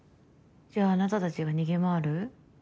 じゃあなたたちが逃げ回る？